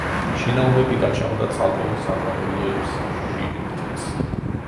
შინაომები გაჩაღდა ცალკეულ საგვარეულოებს შიგნითაც.